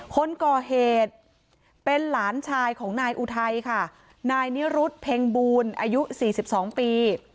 คนก่อเหตุเป็นหลานชายของนายอุทัยค่ะนายนิรุธเพ็งบูลอายุ๔๒ปี